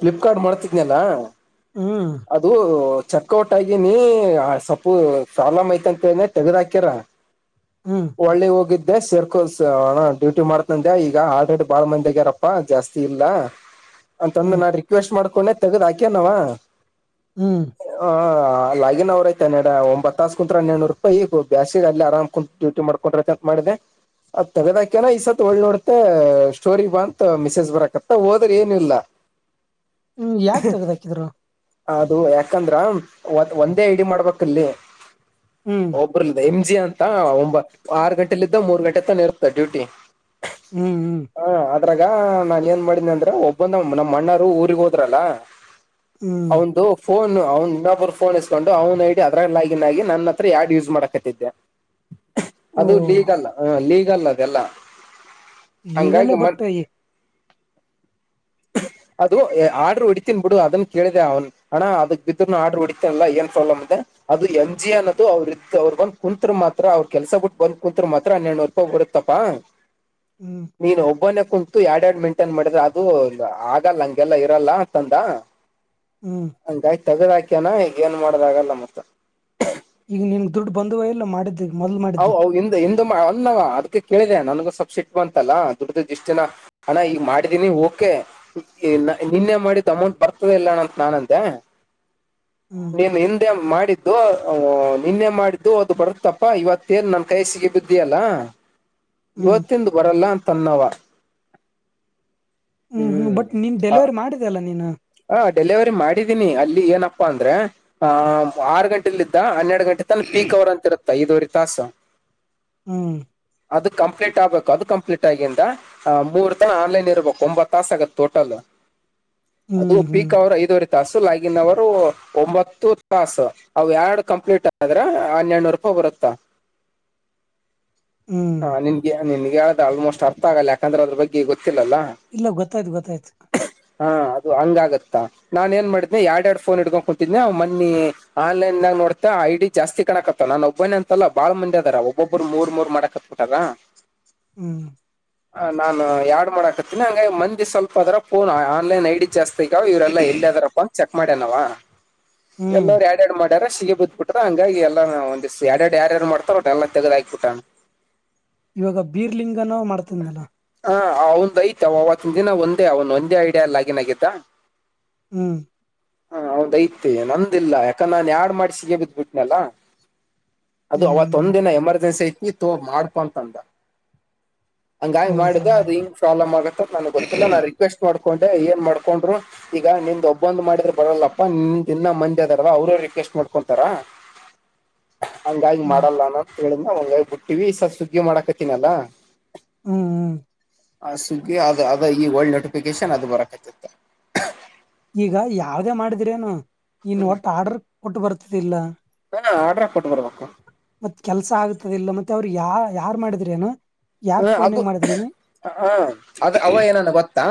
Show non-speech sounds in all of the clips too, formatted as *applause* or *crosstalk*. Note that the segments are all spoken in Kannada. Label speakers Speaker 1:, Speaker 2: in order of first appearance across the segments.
Speaker 1: ಫ್ಲಿಪ್ಕಾರ್ಟ್ ಮಾಡ್ತಿದನಲ್ಲ *inaudible*
Speaker 2: ಹ್ಮ್
Speaker 1: ಅದು ಚೆಕ್ ಔಟ್ ಆಗಿನಿ ಸೊಪ್ಪು ಪ್ರಾಬ್ಲಮ್ ಐತಂತನ ತೆಗದ್ ಹಾಕ್ಯರ
Speaker 2: ಹ್ಮ್
Speaker 1: ಒಳ್ಳೆ ಹೋಗಿದ್ದೆ ಸರ್ಪ ಅಫ್ ಕೋರ್ಸ್ ಡ್ಯೂಟಿ ಮಾಡ್ತಂದೆ ಈಗ ಆಲ್ರೆಡಿ ಬಾಳ ಮಂದಿಾಗ್ಯಾರಪ್ಪಾ ಜಾಸ್ತಿ ಇಲ್ಲ ಅಂತಂದು
Speaker 2: ಹ್ಮ್
Speaker 1: ನಾ ರಿಕ್ವೆಸ್ಟ್ ಮಾಡ್ಕೊಂಡೆ ತೆಗದ್ ಹಾಕ್ಯ ನವ ಹ
Speaker 2: ಹ್ಮ್
Speaker 1: ಆ ಲಾಗಿನ್ *unintelligible* ನಡ ಒಂಬತ್ ತಾಸಸ್ ಕುಂತ್ ನನೂರು ರೂಪಾಯಿಗ ಬ್ಯಾಸಿಗೆ ಅಲ್ಲಿ ಆರಾಮ ಕುಂತ ಡ್ಯಟ ಮಾಡ್ಕೊಂಡ್ರೈತೆ ಅಂತ ಮಾಡಿದ್ದಿದೆ ಅತ್ತಗದಾಕನ ಈ ಸತ್ ಒಳ್ಳ ನೋಡ್ತ ಸ್ಟೋರಿ ಬಂತ ಮೆಸೇಜ್ ಬರಕತ್ತ ಹೋದ್ರೆ ಏನಿಲ್ಲ *unintelligible*
Speaker 2: ಹ್ಮ್ ಯಾಕ್ ತಗ್ದ್ದು ಹಾಕಿದ್ರು
Speaker 1: ಅದು ಯಾಕಂದ್ರ ಒಂದೇ ಇಡಿ ಮಾಡ್ಬೇಕಲ್ಲಿ
Speaker 2: ಹ್ಮ್
Speaker 1: ಒಬ್ರ ಎಮ್ ಜಿ *unintelligible* ಅಂತ ಒ ಆರು ಗಂಟೆಲಿದ್ದ ಮೂರ್ ಗಂಟೆ ತಾನ ಇರುತ್ತೆ ಡ್ಯೂಟಿ
Speaker 2: ಹ್ಮ್ ಹ್ಮ್
Speaker 1: ಹ ಅದ್ರಾಗ ನಾನನ್ ಏನ್ ಮಾಡನೆ ಅಂದ್ರೆ ಒಬ್ಬೊಂದ ನಮ್ಮ್ ಮಣ್ಣರು ಊರಿಗೆಗ್ ಹೋದ್ರಲ್ಲ
Speaker 2: ಹ್ಮ್
Speaker 1: ಅವಂದು ಫೋನ್ ಅವ್ನ್ ಇನ್ನೊಬ್ಬರು ಫೋನ್ ಇಸ್ಕೊಂಡು ಅವ್ನ ಐ ಡಿ ಅದ್ರ ಲಾಗಿನ್ ಆಗಿ ನನ್ನ ಹತ್ರ ಯಾಡ್ ಯೂಸ್ ಮಾಡಕತ್ತಿದ್ದೆ
Speaker 2: ಓ
Speaker 1: ಅದು ಲೀಗಲ್ ಹ ಲೀಗಲ್ ಅದೆಲ್ಲ
Speaker 2: ಲೀಗಲ್
Speaker 1: ಹಂಗಾಗಿ
Speaker 2: ಬಟ್
Speaker 1: ಮತ್
Speaker 2: ಈ
Speaker 1: ಅದು ಆರ್ಡರು ಒಡಿತನ್ ಬಿಡು ಅದನ್ನು *inaudible* ಕೇಳಿದೆ ಅವನ್ ಅಣ್ಣ ಅದಕ್ ಬಿದ್ದ್ರ ಆರ್ಡರ್ ಹೊಡಿತ ಅಲ್ಲ ಏನ್ ಪ್ರಲಮ್ ಅದೆ ಅದು ಎಂ ಜಿ ಅನ್ನೋದು ಅವ್ರ ಇದ ಅವರು *inaudible* ಅವ್ ಬಂದ್ ಕುತ್ರು ಮಾತ್ರ ಅವ್ರ ಕೆಲ್ಸ ಬಿಟ್ಟ ಬಂದ್ ಕುಂತ್ರ ಮಾತ್ರ ಹನ್ನೆರಡುನೂರು ರೂಪಾಯಿ ಬಡತ್ತಪ್ಪಾ
Speaker 2: ಹ್ಮ್
Speaker 1: *unintelligible* ನೀನು ಒಬ್ಬನ ಎಫ *unintelligible* ಕುಂತು ಎರಡ್ ಎರಡು ಮಿಂಟೈನ್ ಮಾಡಿದ್ರೆ ಅದು ಆಗಲ್ಲ ಹಂಗೆಲ್ಲ ಇರಲ್ಲ ತಂದ *inaudible*
Speaker 2: ಹ್ಮ್
Speaker 1: ತೆಗದ ಹಾಕ್ಯನಾ ಏನ್ ಮಾಡದಾಗಲ್ಲ ಮತ್ತ
Speaker 2: ಈಗ ನಿನ್ ದುಡ್ಡು ಬಂದುವ ಎಲ್ಲ ಮಾಡಿದ್ದ
Speaker 1: ಹ ಹಿಂದ *unintelligible* ಅದಕ್ಕೆ ಕೇಳಿದೆ ನನಗ ಸಬ್ಸಿಡಿ ಬಂತಲ್ಲ ದುಡ್ಡ್ದ ದಿಷ್ಟಿನ ಹಣ ಈಗ ಮಾಡಿದಿನನಿ *unintelligible* ನಿನ್ನೆ ಮಾಡಿದ ಅಮೌಂಟ್ ಬರ್ತದೆ ಇಲ್ಲಂತ ನಾನಂದೆ
Speaker 2: ಹ್ಮ್
Speaker 1: ನೀನು ಹಿಂದೆ ಮಾಡಿದ್ದು ನಿನ್ನೆ ಮಾಡಿದ್ದು ಆದು ಬರುತ್ತಪ್ಪ ಇವತ್ತು *inaudible* ಏನ್ ನನ್ ಕೈಸಿಗೆ ಬಿದ್ದಿ ಅಲ್ಲ
Speaker 2: ಹ್ಮ್
Speaker 1: ಇವತ್ತಿಂದ ಬರಲ್ಲ ಅಂತ *inaudible* ತನ್ನವ *unintelligible*
Speaker 2: ಹ್ಮ್ ಹ್ಮ್ ಬಟ್ ನಿಮ ಡೆಲಿವರಿ ಮಾಡಿದೆ ಅಲ್ಲ ನೀನು
Speaker 1: ಹ ಡೆಲಿವರಿ ಮಾಡಿದೀನಿ ಅಲ್ಲಿ ಏನಪ್ಪಾ ಅಂದ್ರೆ ಆ ಆರು ಗಂಟೆಲಿದ್ದ ಹನ್ನೆರಡು ಎರಡು ಗಂಟೆ ತಾನ ಪೀಕ್ ಅವರ ಅಂತಿರುತ್ತ ಇದುವರಿ ತಾಸ
Speaker 2: ಹ್ಮ್
Speaker 1: ಅದು ಕಂಪ್ಲೀಟ್ ಆಗ್ಬೇಕು ಅದು ಕಂಪ್ಲೀಟ್ ಆಗಂದ ಮೂರ್ ತನ ಆನ್ಲೈನ್ ಇರಬೇಕು ಒಂಬತ್ ತಾಸ ಆಗೆ ಟೋಟಲ್ ಅದು
Speaker 2: ಹ್ಮ್ ಹ್ಮ್
Speaker 1: ಪೀಕ್ ಅವ್ರ ಐದುವರೆ ತಾಸು ಲಾಗಿನ್ ಅವರು ಒಂಬತ್ತು ತಾಸು ಅ ಎರಡು ಕಂಪ್ಲೀಟ್ ಆದ್ರ ಹನ್ನೆನೂರು ರೂಪಾಯಿ ಬರುತ್ತೆ
Speaker 2: ಹ್ಮ್
Speaker 1: ಹಾ ನಿನ್ಗೆ ನಿನ್ಗೆ ಹೇಳ್ದೆ ಆಲ್ಮೋಸ್ಟ್ ಅರ್ಥ ಆಗಲ್ಲ ಯಾಕಂದ್ರೆ ಅದ್ರ ಬಗ್ಗೆ ಗೊ ಗೊತ್ತಿಲ್ಲ
Speaker 2: ಇಲ್ಲ ಗೊತ್ತಾಯ್ತು ಗೊತ್ತಾಯ್ತು
Speaker 1: ಹಾ ಹಂಗಗತ್ತಾ ನಾನನ್ ಏನ್ ಮಾಡಿದ್ದನನೆ ಎರಡ್ ಎರಡ್ ಫೋನ್ ಹಿಡ್ಕೊಂಡು ಕುಂತಿದ್ನೆ ಅವ್ ಮನ್ನಿ ಆನ್ಲೈನ್ ನಾಗ ನೋಡ್ತಾ ಐಡಿ ಜಾಸ್ತಿ ಕಾಣಕತ್ತತ ನಾನ್ ಒಬ್ಬನ ಅಂತಲ್ಲ ಬಾಳ್ ಮಂದಿದಾರ ಒಬ್ಬೊಬ್ಬರು ಮೂರ್ ಮೂರ್ ಮಾಡಕತ್ಬ ಬಿಟಾರ
Speaker 2: ಹ್ಮ್
Speaker 1: ಹ ನಾನು ಯಾಡ್ ಮಾಡಕ ಇ ಹಂಗ ಮಂದಿ ಸ್ವಲ್ಪದರ ಆನ್ಲೈನ್ ಐಡಿ ಜಾಸ್ತಿಗಾವ ಇ್ರಲ್ಲ ಎಲ್ಲದರ ಚಕ್ ಮಾಡೇನವಾ
Speaker 2: ಹ್ಮ್
Speaker 1: ಎಲ್ಲರೂ ಯಾಡ್ ಯಾಡ್ ಸಿಹಿ ಬಿದ್ದುಬಿಟ್ಟನು ಹಂಗಾಗಿ ಎಲ್ಲಾ ಒಂದ್ ಎಡೆ ಎರಡು ಯಾರ್ಯಾರು ಮಾಡ್ತಾರ ಒ ಎಲ್ಲ ತಗದ ಹಾಕಕ್ಬಿಟ್ಟಾನ
Speaker 2: ಇವಾಗ ಬೀರ್ಲಿಂಗನ ಮಾಡ್ತಂದಲ
Speaker 1: ಹಾ ಅವಂದ ಐತಿ ಅವವತ್ತಿನ ದಿನ ಒಂದೇ ಅವನ್ ಒಂದೇ ಐಡಿಯಾ ಲಾಗಿನ್ ಆಗ್ಯತ
Speaker 2: ಹ್ಮ್
Speaker 1: ಹಾ ಹೌದ್ ಐತೆ ನಂದಿಲ್ಲ ಯಾಕಂದ ನಾನನ್ ಯಾಡ್ ಮಾಡಸಗ ಬಿದ್ಬಿಟ್ನಲ್ಲ ಅದು ಅವತ್
Speaker 2: ಹ್ಮ್
Speaker 1: ಒಂದಿನ ಎಮರ್ಜೆನ್ಸಿ ಐತಿವಿ ಮಾಡ್ಕೋ ಅಂದ ಹಂಗಾಗಿ
Speaker 2: ಹೌದಾ
Speaker 1: ಮಾಡಿದ ಅದು ಇಂಗ್ ಪ್ರಾಬ್ಲ್ ಆಗತ್ತತ್ ನನಗ್ ಗೊತ್ತಿಲ್ಲ ನಾ ರಿಕ್ವೆಸ್ಟ್ ಮಾಡ್ ಕೊಂಡೆ ಏನ್ ಮಾಡ್ಕೊಂಡ್ರು ಈಗ ನಿಂದ್ ಒಬ್ಬೊಂದ ಮಾಡಿದ್ರರು ಬರಲ್ಲಪ್ಪನಿಂದ ದನ್ನ ಮಂದಿ ಅದಾರ ಅವ್ರ ಎಷ್ಟ ಮಾಡ್ಕೊಂತಾರಾ ಹಂಗಾಗಿ
Speaker 2: ಹ್ಮ್
Speaker 1: ಮಾಡಲ್ಲಾನೋ ಅಂತ ಹೇಳಿಂದ ಹಂಗಾಗಿ ಬಿಟ್ಟಿವ ಸ ಸುಗ್ಗಿ ಮಾಡಾಕತಿನಲ್ಲ
Speaker 2: ಹ್ಮ್ ಹ್ಮ್
Speaker 1: ಹ ಸುಗ್ಗಿ ಅದ ಅದ ಈ ಒಲ್ಡ್ ನೋಟಿಫಿಕೇಶನ್ ಅದು ಬರಕ ಆತಿತ್ತ
Speaker 2: ಈಗ ಯಾವದೇ ಮಾಡಿದರೇನು ನೀನ್ ಒಟ್ಟ ಆರ್ಡರ್ ಕೊಟ್ಟು ಬರ್ತತಿಿಲ್ಲ
Speaker 1: ಹಾ ಆರ್ಡ್ರ ಕೊಟ್ಟ ಬರ್ಬೇಕು
Speaker 2: ಮತ್ ಕೆಲ್ಸ ಆಗ್ತದ ಇಲ್ಲ ಮತ್ತೆ ಅವ್ರರು ಯಾ ಯಾರ್ ಮಾಡಿದ್ರ ಏನ
Speaker 1: ಹಾ ಅದು ಹ ಅದು ಅವ ಏನಾನ ಗೊತ್ತಾ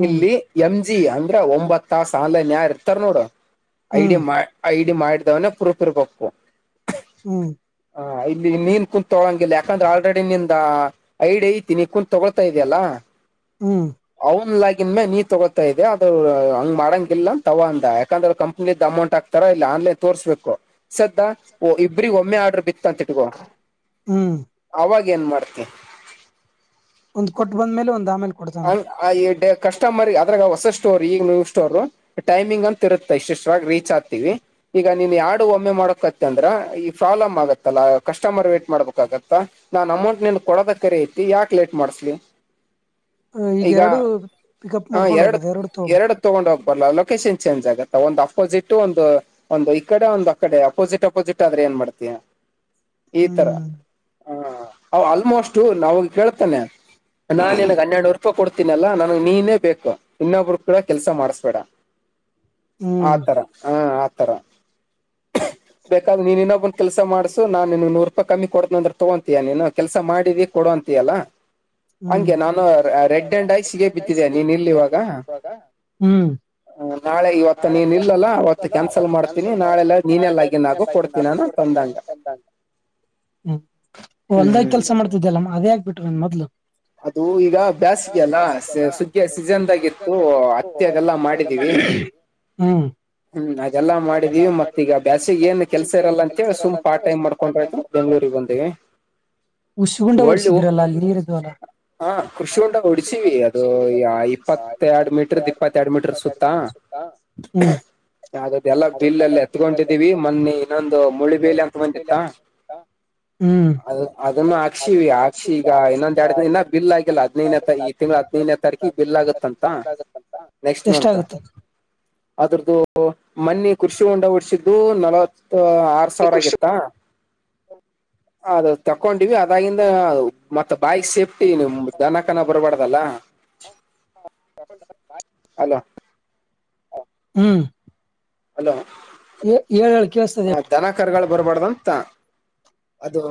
Speaker 2: ಹ್ಮ್
Speaker 1: ಇಲ್ಲಿ ಎಮ ಅಂದ್ರೆ ಒಂಬತ್ ತ ಆನ್ನ್ ಯಾರ ಇರ್ತಾರ ನೋಡು
Speaker 2: ಹ್ಮ್
Speaker 1: ಐ ಮಾಡಿದವನ ಪ್ರೂಫ ಇರ್ಬೇಕು
Speaker 2: ಹ್ಮ್
Speaker 1: ಹ ಇಲ್ಲಿ ಮೀನ್ ಕುತ್ ತೊಗಳಂಗಿಲ್ಲ ಯಾಕಂದ್ರೆ ಆ ಡಿನಿಂದ ಐಡಿ ಐತೀನಿ ಕುಂತತ್ ತಗೊಳ್ತಾ ಇದೆಯಲ್ಲಾ
Speaker 2: ಹ್ಮ್
Speaker 1: ಫೋನ್ ಲಾಗಿನ್ ಮ ನೀ ತಗೋತಾ ಇದೆ ಅದು ಹಂಗ್ ಮಾಡಂಗಿಲ್ಲ ಅಂತ ಆವ್ ಅಂದ ಯಾಕಂದ್ರ ಕಂಪ್ನಿ ಇದ ಅಮೌಂಟ್ ಆಗ್ತ ಇಲ್ಲ ಆನ್ಲೈನ್ ತೋರ್ರಿಸ್ಬೇಕು ಸದಾ ಇಬ್ರಿಗೆ ಒಮ್ಮೆ ಆರ್ಡರ್ ಬಿ *unintelligible*
Speaker 2: ಹ್ಮ್
Speaker 1: ಅವಾಗ ಏನ್ ಮಾಡ್ತಿ
Speaker 2: ಒಂದ್ ಕೊಟ್ಟು ಬಂದ ಮೇಲೆ ಒಂದು
Speaker 1: ಹ ಆ ಎಡೆ ಕಸ್ಟಮರ್ ಅದ್ರಾಗ ಹೊಸ ಸ್ಟೋರ್ ಈಗ ಸ್ಟೋರ್ ಟೈಮಿಂಗ್ ಅಂತ ಇರುತ್ತೆ ಇಷ್ಟುಷ್ಟಾಗಿ ರೀಚ್ ಆಗ್ತಿವಿ ಈಗ ನೀನ್ ಯಾಡು ಒಮ್ಮೆ ಮಾಡಕತ್ತ ಅಂದ್ರ ಈಗ ಪ್ರಾಬ್ಲಮ್ ಆಗತ್ತಲ್ಲಾ ಕಸ್ಟಮರ್ ವೇಟ್ ಮಾಡ್ಬೇಕಾಗತ್ತ ನಾನ್ ಅಮೌಂಟ್ ನಿನ್ ಕೊಡೋದ ಕರಿ ಐತಿ ಯಾಕೆ ಲೇಟ್ ಮಾಡಿಸ್ಲಿ
Speaker 2: ಅ,
Speaker 1: ಈಗ
Speaker 2: ಎರಡು ಪಿಕಪ್
Speaker 1: ಹ
Speaker 2: ಮಾಡ್ಕೊಂಡ್
Speaker 1: ಎರಡು
Speaker 2: ಹೋಗೋದು ತಗೋಬೇಕು
Speaker 1: ಎರಡು ತಗೊಂಡ್ ಹೋಗ್ಬಲ್ಲ ಲೊಕೇಶನ್ ಚೇಂಜ್ ಆಗತ್ತ ಒಂದು್ ಅಪೋಸಿಟ್ ಒಂದು ಒಂದು ಈ ಕಡೆ ಒಂದು ಅ ಕಡೆ ಅಪೋಸಿಟ್ ಅಪೋಸಿಟ್ ಆದ್ರೆ ಏನ್ ಮಾಡ್ತೀಯಾ
Speaker 2: ಹ್ಮ್
Speaker 1: ಹ ಆಲ್ಮೋಸ್ಟ್ ನಾ ಕೇಳ್ತೇನೆ ನಾನ ರೂಪಾಯಿ ಕೊಡ್ತೀನಲ್ಲಾ ನನಗ್ ನೀನೇ ಬೇಕು ಇನ್ನೊಬರು ಕೂಡ ಕೆಲ್ಸ ಮಾಡಸ್ಬೇಡ
Speaker 2: ಹ್ಮ್
Speaker 1: ಆತರ ಹಾ ಆತರ ಬೇಕಾದ್ರ ನೀನ್ ಇನ್ನೊಬ್ ಒಂದ ಕೆಲಸ ಮಾಡಸ ನಾನ್ ನಿನ್ ನಿಂಗೆ ನೂರ್ ರೂಪಾಯಿ ಕಮ್ಮಿ ಕೊಡ್ ಅಂದ್ರ ತಗೋತಯ ನೀನ ಕೆಲ್ಸ ಮಾಡಿದ ಕೊಡಂತಯಲ್ಲ
Speaker 2: ಹ್ಮ್
Speaker 1: ಹಗೆ ನಾನು ರೆಡ್ ಅಂಡ್ ಸಿಗ ಬಿದ್ದಿದೆ ನೀ ಇಲ್ಲಿ ಇವಾಗ್
Speaker 2: ಹ ನಾಳೆ ಈ ಕ್ಯಾನ್ಸಲ್
Speaker 1: ನಾಳೆಲ್ಲ
Speaker 2: ಮಾಡ್ತೀನಿ
Speaker 1: ನೀನೇ ಲಾಗಿನ್ ಆಗು
Speaker 2: ನಾಳೆನ್ನಲ್ಲ ನಾಕು
Speaker 1: ನಾನು
Speaker 2: ಕೊಡ್ತೀನಿ
Speaker 1: ತಂದಂಗ
Speaker 2: ನಾನು ಹ್ಮ್ ಹೊಲ್ದಾಗ
Speaker 1: ಹ್ಮ್
Speaker 2: ಕೆಲ್ಸ ಮಾಡ್ತಿದಲ್ಲ ಅದೇ ಆಾಕ್ಬಿಟ್ರ ನನ್ ಮೊದ್ಲು
Speaker 1: ಅದು ಈಗ ಬೇಾಸಿಗೆ ಅಲ್ಲ ಸುಗ್ಗಿಯ ಸೀಸನ್ದಾಗಿತ್ತು ಅತ್ತಾಗೆಲ್ಲಾ ಮಾಡಿದೀ
Speaker 2: ಹ್ಮ್
Speaker 1: ಹ್ಮ್ ಅೆಲ್ಲ ಮಾಡಿದೀವಿ ಮತ್ತ ಈಗ ಬ್ಯಾಸಿ ಏನ್ ಕೆಲ್ಸ ಇರಲ್ಲ ಅಂತೇಳಿ ಸುಮ್ ಪಾರ್ಟ ಟೈಮ್ ಮಾಡ್ಕೊಂಡ್ರ ಆಯತು ಬೆಂಗಂಳೂರು ಬಂದೇ
Speaker 2: ಉಸಗುಂಡ ಓಡ್ಸಿದ್ರಲ್ಲ ಅಲ್ಲಿನೀರ್ ಇದಾವಲ್ಲ
Speaker 1: ಹ ಕಖೃಷಿ ಉಟ ಹೊಡಚಿವವಿ ಅದು ಇಪ್ಪತ್ತ ಎರಡು ಮೀಟರ್ದ್ ಇಪ್ಪತ್ತ ಎರಡು ಮೀಟ್ರ ಸುತ್ತ
Speaker 2: ಹ್ಮ್
Speaker 1: ಯದು ಎಲ್ಲ ಬಿಲ್ ಎಲ್ಲಿ ಎತ್ಕೊಂಡಿದ್ದೀವಿ ಮೊನ್ನೆ ಇನ್ನೊಂದು ಮುಳಿ ಬಲ್ ಅಂತ ಬಂದಿತ್ತ
Speaker 2: ಹ್ಮ್
Speaker 1: ಅ ಅದನ್ನು ಅಕ್ಷಿ ಅಕ್ಷಿ ಈಗ ಇನ್ನೊಂದ ಎಡ್ ಇನ್ನ ಬಿಲ್ ಆಗಿಲ್ಲ ಹದಿನೈನೇ ತ ಈ ತಿಂಳ ಹದಿನೈದನೇ ತಾರೀಕಿ ಬಿಲ್ ಆಗುತ್ತಂತ ನೆಕ್ಸ್ಟ್ ಮಂತ್
Speaker 2: ಎಷ್ಟಾಗುತ್ತೆ
Speaker 1: ಅದ್ರದ್ದು ಮನ್ನಿ ಕುಖರ್ಷಿ ಉಂಡ ಹೊಡ್ಸಿದ್ದು ನಲವತ್ ಆರ್ ಸಾವಿರ ಆಗಿತ್ತಾ ಅದ ತಕೊಂಡಿವವಿ ಅದಾಗಿಂದ ಮತ್ತತ್ ಬಾಯಿ ಸೇಫ್ಟಿ ದನ ಕರ ಬರಬಾರ್ದಲ್ಲ
Speaker 2: ಹ
Speaker 1: ಕಾ
Speaker 2: ಹ್ಮ
Speaker 1: ಹಲೋ
Speaker 2: ಹೇಳಏ ಹೇಳಳ್
Speaker 1: ಹ ದನಖರ್ಗಳು ಬರ್ಬಾರ್ದಂತ ಅದು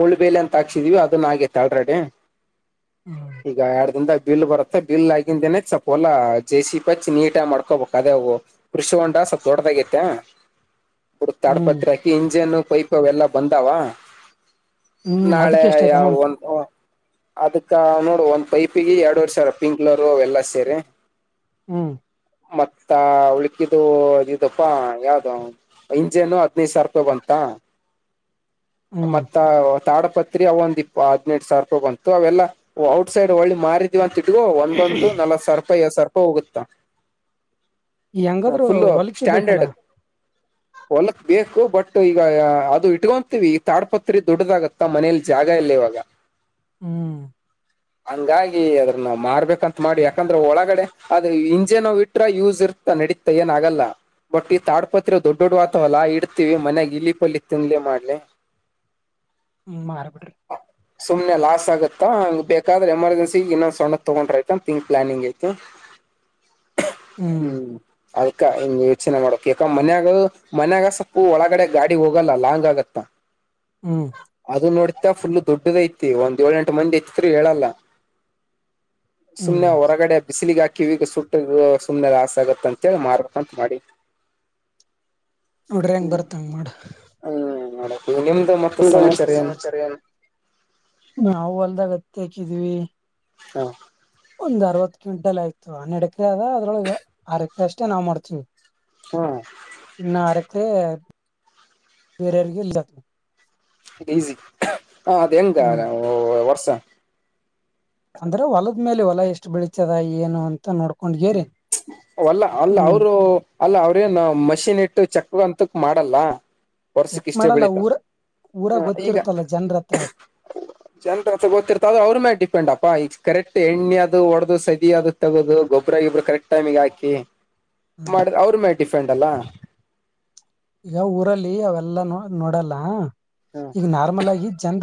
Speaker 1: ಮುಳುಬಲೆ ಅಂತ ಹಾಕ್ಸಿದಿವವಿ ಅದನ್ ಆಗೈತೆ ಆಲ್ರೆಡಿ
Speaker 2: ಹ್ಮ್
Speaker 1: ಈಗ ಎರಡ್ ದಿಂದ ಬೀಲ್ ಬರುತ್ತೆ ಬಲ್ ಆಗಿಂದೇನ ಸ್ಪಲ್ಲಾ ಜೇಸ ಚ್ಚಿ ನೀಟ ಆ ಮಾಡ್ಕೋಬಬೇಕು ಅದೇ ಹೋಗ ಕೃಷ ಹೊಂಡ ಸ್ಲ್ಪ ದೊಡ್ಡದಾಗೈತೆ ಬಿಡ
Speaker 2: ಹ್ಮ್
Speaker 1: ತಾಡಪತ್ ಹಾಕಿ ಇಂಜಿನ್ ಪೈಪ್ ಅವ ಎಲ್ಲಾ ಬಂದಾವ
Speaker 2: ಹ್ಮ್
Speaker 1: ನಾಳೆ
Speaker 2: ಅದಕ್ಕೆ
Speaker 1: ಯ
Speaker 2: ಎಷ್ಟಾಯ್ತು ಅಮೌಂಟ್
Speaker 1: ಒ ಅದಕ್ಕ ನೋಡು ಒಂದ್ ಪೈಪಿಗೆ ಎರಡ್ವರ್ ಸಾವಿರ ಪಿಂಕ್ಲರ್ ಅವೆಲ್ಲಾ ಸೇರಿ
Speaker 2: ಹ್ಮ್
Speaker 1: ಮತ್ತ ಉಳಕಿದ್ದು ಇದಪ್ಪಾ ಯಾವ್ದ ಇಂಜೆನು ಹದ್ಿನೈದು ಸಾವಿರ ರೂಪಾಯಿ ಬಂತ
Speaker 2: ಹ್ಮ್
Speaker 1: ಮತ್ತ ತಾಡ ಪತ್ರಿ ಅವ ಒಂದ ಹದ್ಹಾಡ್ನೆಟ್ ಸಾವರ ರೂಪಾಯಿ ಬಂತು ಅವೆಲ್ಲಾ ಔಟ್ ಸೈಡ್ ಒಳ್ಳಿ ಮಾರಿದೀವಿ ಅಂತ ಇಗೋ ಒಂದೊಂದು ನಲ ಸರ್ಪ ಎ ಸರ್ಪ ಹೋಗುತ್ತ ಹ
Speaker 2: ಹೆಂಗಾದ್ರು
Speaker 1: ಫುಲ್ಲ
Speaker 2: ಹೊಲಕ್ಕೆ ಬೇಕಲ್ಲ
Speaker 1: ಸ್ಟಾಂಡರ್ಡ್ ಹೊಲತ್ ಬೇಕು ಬಟ್ ಈಗ ಅದು ಇಟ್ಕೊಂತೀವಿ ತಾಡ್ಪತ್ರಿ ದೊಡ್ಡದಾಗತ್ತ ಮನೇಲಿ ಜಾಗ ಇಲ್ಲ ಇವಾಗ
Speaker 2: ಹ್ಮ್
Speaker 1: ಹಂಗಾಗಿ ಅದ್ರ ನಾವ ಮಾಡ್ಬೇಕಂತ ಮಾಡಿ ಯಾಕಂದ್ರೆ ಒಳಗಡೆ ಅದು ಇಂಜೆನ್ ಇಟ್ರ ಯೂಸ್ ಇರ ನಡೀತ ಏನ ಆಗಲ್ಲ ಬಟ್ ಈ ತಾಡ್ಪತಿ ದೊಡ್ ದೊಡ್ ವಾತಾವಲ್ಲ ಇಡ್ತೀವಿ ಮನ್ಯಾಗ ಇಲಿಪಲಿ ತಿನ್ಲಿ ಮಾಡ್ಲಿ
Speaker 2: ಹ್ಮ್ ಮಾರಬಿಡ್ರಿ
Speaker 1: ಸುಮ್ನೆ ಲಾಸ್ ಆಗುತ್ತಾ ಹಂಗ ಬೇಕಾದ್ರೆ ಎಮರ್ಜೆನ್ಸಿಗ ಇನ್ನೊಂದ್ ಸಣ್ಣ ತೊಗೊಂಡ್ರ ಐತೆ ಅಂತ ತಂಗ್ ಪ್ಲಾನಿಂಗ್ ಐತೆತಿ *inaudible*
Speaker 2: ಹ್ಮ್
Speaker 1: ಅದ ವವಕ್ಷಚನೆ ಮಾಡಡಕಿ ಮ ಮನ್ಯಾಗ ಸಪ್ಪು ಒಳಗಡೆ ಗಾಡಿ ಹೋಗಲ್ಲ ಲಾಂಗ್ ಆಗತ್ತ
Speaker 2: ಹ್ಮ್
Speaker 1: ಅದು ನೋಡ್ ಫುಲ್ ದುಡ್ಡದ ಐತಿ ಒಂದ್ ಏಳ ಎಂಟು ಮಂದಿ ಐತಿತ್ ಹೇಳಲ್ಲ
Speaker 2: ಹ್ಮ್
Speaker 1: ಸುಮ್ನೆ ಹೊರಗಡೆ ಬಿಸಿಲಿಗಾಕ ಕಿವಿಗೆ ಸುಟ್ಟ ಸುಮ್ನೆ ಆಸೆ ಆಗತ್ತ ಅಂತೇಳಿ ಮಾರಕ್ಂತ ಮಾಡಿ
Speaker 2: ನೋಡ್ರಿ ಹೆಂಗ್
Speaker 1: ಹ್ಮ್
Speaker 2: ಬರ್ತಂಗ ನೋಡ
Speaker 1: ಹ್ಮ್ ನೋಡಕ್ ನಿಮ್ದು ಮತ್ತ ಸಮಾಚಾರ ಏನು
Speaker 2: ನಾವು ಅಲ್ದಾಗ ಹತ್ತ ಹಾಕಿದೀವಿ
Speaker 1: ಹಾ
Speaker 2: ಒಂದ್ ಅರ್ವತ್ತು ಕ್ವಿಂಟಲ್ ಆಯ್ತು ಹನ್ನೆಡ್ ಎಕರೆ ಅದ ಅದ್ರೊಳಗೆ ಆರ ಎಕರೆ ಅಷ್ಟೇ ನಾವವು ಮಾಡ್ತೀವಿ
Speaker 1: ಹಾ
Speaker 2: ಇನ್ನಾರಕ್ಕೆ ಬೇರೆಯವ್ರಿಗೆ ಇಲ್ಲದ
Speaker 1: ಈಸಿ ಹ ಅದ್ ಹೆಂಗ
Speaker 2: ಹ್ಮ್
Speaker 1: ನಾವು ವರ್ಷ
Speaker 2: ಅಂದ್ರೆ ಹೊಲದ ಮೇಲೆ ಹೊಲ ಎಷ್ಟು ಬೆಳತದ ಏನು ಅಂತ ನೋಡ್ಕೊಂಡ್ಗೇರಿ
Speaker 1: ಹ ಅಲ್ಲ ಅಲ್ಲ
Speaker 2: ಹ್ಮ್
Speaker 1: ಅವರು ಅಲ್ಲ ಅವ್ರೇನು ಮಷಿನ್ ಇಟ್ಟು ಚಕ್ರ ಅಂತಕ್ ಮಾಡಲ್ಲ ವರ್ಷಕ್
Speaker 2: ಚೆಕ್
Speaker 1: ಇಷ್ಟೇ
Speaker 2: ಮಾಡಲ್ಲ
Speaker 1: ಬೆಳಿತಾವ
Speaker 2: ಊರ ಊರಾಗ ಗೊತ್ತಿರ್ತಲ್ಲ ಜನ್ರತ್ರ
Speaker 1: ಜನ್ರತ್ರ ಗೊತ್ತಿರ್ತ ಅ ಅವ್ರ ಮೇ ಡಿಪೆಂಡ್ ಅಪ್ಪಾ ಈ ಕರೆಕ್ಟ್ ಎಣ್ಣೆ ಅದು ಒಡ್ದ ಸದ ಅದು ತಗೋದು ಗೊಬ್ಬ್ರ ಗೊಬ್ಬರು ಕರೆಕ್ಟ್ ಟೈಕಮಿಗೆ ಹಾಕಿ ಮಾಡ ಅವ್ರ ಮೇ ಡಿಫೆಂಡ್ ಅಲ್ಲ
Speaker 2: ಈಗ ಊರಲ್ಲಿ ನೋಡಲ್ಲ
Speaker 1: ಹ
Speaker 2: ಈ ನಾರಲ್ಗ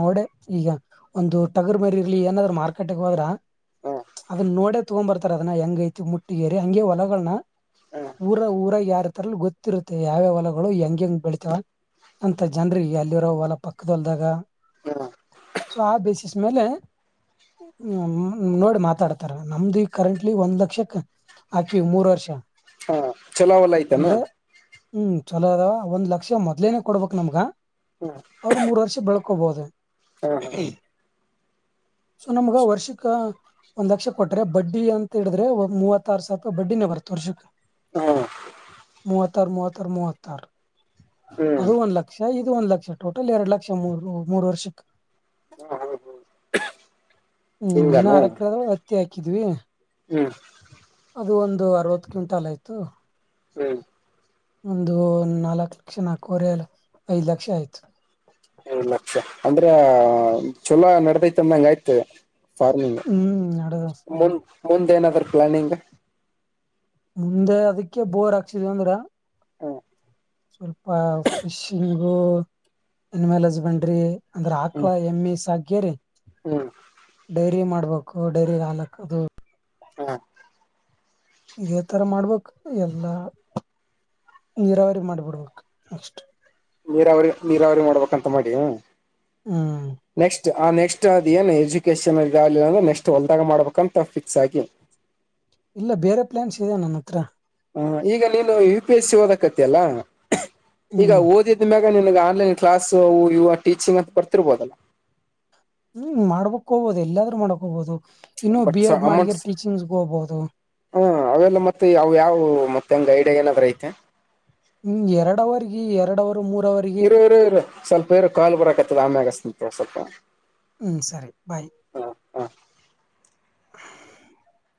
Speaker 2: ನೋಡೆ ಈಗ ಒಂದು ಟಗರ್ ಮೇರಿ ಇರ್ಲಿ ಏನಾದ್ರು ಮಾರ್ಕೆಟ್ ಹೋದ್ರ
Speaker 1: ಹ
Speaker 2: ಅದನ್ನ ನೋಡ ತಗೊ ಬರ್ತಾರ ಅದನ್ನ ಹೆಂಗ ಐತಿ ಮುಟ್ಟಿಗೇರಿ ಹಂಗಗೆ ಹೊಲಗಳ್ನ ಊರ ಊರ ಯಾರ ತರಲು ಗೊತ್ತಿರುತ್ತ ಮ ಯಾವ್ಯಾವ ಹೊಲಗಳು ಹೆಂಗ ಹೆಂಗ್ ಬೆಳಿತಾವ ಅಂತ ಜನ್ರಿಗೆ ಅಲ್ಲಿರೋ ಹೊಲ ಪಕ್ಕದಲ್ದಾಗ ಸೊ ಆ ಬೇಸಿಸ್ ಮೇಲೆ ಹ್ಮ ನೋಡಿ ಮಾತಾಡ್ತಾರ ನಮ್ದು ಈ ಕರೆಂಟ್ಲಿ ಒಂದ್ ಲಕ್ಷಕ್ ಆಕಿವ ಮೂರ್ ವರ್ಷ
Speaker 1: ಹಾ ಚಲಾವಲ್ಲ ಆಯ್ತಾನ
Speaker 2: ಅಂದ್ರೆ ಹ್ಮ್ ಚಲೋ ಅದ ಒಂದ್ ಲಕ್ಷ ಮೊದ್ಲೇನೆೇ ಕೊಡ್ಬಕ್ ನಮ್ಗ
Speaker 1: ಹ್ಮ
Speaker 2: ಬೋದ
Speaker 1: ಹ
Speaker 2: ಸೊ ನಮ್ಗ ವರ್ಷಿಕ ಒಂದ್ ಲಕ್ಷ ಕೊಟ್ಟರೆ ಬಡ್ಡಿ ಅಂತ ಹೇಳಿದ್ರೆ ಮೂವತ್ತ ಆರ್ ಸಾವಿರ ರೂಪಾಯಿ ಬಡ್ಡಿನೇ ಬರ್ತದೆ ತುರ್ಷುಕ್
Speaker 1: ಹಾ
Speaker 2: ಮೂವತ್ತ ಮೂವತ್ತಾರ
Speaker 1: ಹ್ಮ್ ಹ್ಮ್
Speaker 2: ಅದು ಒಂದ್ ಲಕ್ಷ ಇದು ಒಂದ್ ಲಕ್ಷ ಟೋಟಲ್ ಎರಡು ಲಕ್ಷ ಮೂರು ಮೂರು ವರ್ಷಕ್ಕೆ
Speaker 1: ಹ್ಮ ಹ್ಮ ಹ್ಮ
Speaker 2: ಹ್ಮ್ ಆರು ಎಕ್ಕರೆ ಅತ್ತಿ ಹಾಕಿದ್ವಿ
Speaker 1: ಹ್ಮ್
Speaker 2: ಅದು ಒಂದು ಅರವತ್ತು ಕ್ವಿಂಟಾಲ್ ಆಯ್ತು
Speaker 1: ಹ್ಮ್
Speaker 2: ಒಂದು ನಾಲ್ಕು ಲಕ್ಷ ನಾಲ್ಕು ವರೆ ಐದು ಲಕ್ಷ ಆಯ್ತು
Speaker 1: ಏಳ ಲಕ್ಷ ಅಂದ್ರ ಚೊಲೋ ನಡತೈತ್ಂದಂಗ ಆಯ್ತ ಫಾರ್ಮಿಂಗ್
Speaker 2: ಹ್ಮ್ ನಡದ
Speaker 1: ಮುಂದ್ ಮುಂದ ಏನಾದ್ರ ಪ್ಲಾನಿಂಗ್
Speaker 2: ಮುಂದೆ ಅದಕ್ಕೆ ಬೋರ್ ಹಾಕ್ಸಿದ ಅಂದ್ರ
Speaker 1: ಹಾ
Speaker 2: ಸ್ವಲ್ಪ ಫಿಶಿಂಗು ಎನಿಮಲ್ ಹಸ್ಬೆಂಡ್ರಿ ಅಂದ್ರೆ
Speaker 1: ಹ್ಮ್
Speaker 2: ಆಕ್ಳ ಎಮ್ಮಿ ಸಾಕೇರಿ
Speaker 1: ಹ್ಮ್
Speaker 2: ಡೈರಿ ಮಾಡ ಡೈರಿಗೆ ಹಾಲು ಹಾಕುವುದು
Speaker 1: ಹಾ
Speaker 2: ಇದೇ ತರ ಮಾಡ್ಬೇಕು ಎಲ್ಲಾ ನೀರಾವರಿ ಮಾಡ್ಬಿಡ್ಬೇಕು ನೆಕ್ಸ್ಟ್
Speaker 1: ನೀರಾವರಿ ನೀರಾವರಿ ಮಾಡ್ಬೇಕಂತ ಮಾಡಿ
Speaker 2: ಹ್ಮ್
Speaker 1: ನೆಕ್ಸ್ಟ್ ಆ ನೆಕ್ಸ್ಟ್ ಅದು ಏನ್ಜು ಲನ್ಂದ್ರೆ ನೆಕ್ಸ್ಟ್ ಹೊಲ್ದಾಗ ಮಾಡ್ಬೇಕಂತ ಫಿಕ್ಸ್ ಆಗಿ
Speaker 2: ಇಲ್ಲ ಬೇರೆ ಪ್ಲಯಾನ್ಸ್ ಇದೆ ನನ್ನ ಹತ್ರ
Speaker 1: ಹ ಈಗ ನೀನು ಯು ಪಿ ಎಸ್ ಸಿ ಓದಕತಲ್ಲ ಈಗ
Speaker 2: ಹ್ಮ್
Speaker 1: ಓದಿದ ಮ್ಯಾಗ ಗ ನಿನ್ಗೆ ಆನ್ಲೈನ್ ಕ್ಲಾಸ್ ಇವಾಗ ಟೀಚಿಂಗ್ ಅಂತ ಬರ್ತಿರ್ಬೋದಲ್ಲ
Speaker 2: ಹ್ಮ್ ಮಾಡ್ಬಕ್ ಹೋಗಬೋುದು ಎಲ್ಲಾದ್ ಮಾಡಕ್ ಹೋಗಬೋದು ಇನ್ನು
Speaker 1: ಬಟ್
Speaker 2: ಬಿ ಎಡ್
Speaker 1: ಅಮೌಂಟ್
Speaker 2: ಮಾಡಗರ್ ಟೀಚಿಂಗ್ಗೆ ಹೋಗಬಹುದು
Speaker 1: ಹಾ ಅವೆಲ್ಲ ಮತ್ತೆ ಯಾವ ಯಾವವು ಮತ್ತೆ ಹೆಂಗ ಐಡಿಯಾ ಏನಾದ್ರೂ ಇದಿಯಾ
Speaker 2: ಹ್ಮ ಎರಡವರ್ಗ ಎರಡವರ್
Speaker 1: ಇರ ಇರು ಇರ ಸ್ವಲ್ಪ ಇರು ಕಾಲ್ ಬರಕತ್ತದ ಆಮ್ಯ ಆಗಸ್ ಸ್ವಲ್ಪ
Speaker 2: ಹ್ಮ್ ಸರಿ ಬಾಯ್
Speaker 1: ಹಾ ಹಾ
Speaker 2: *inaudible*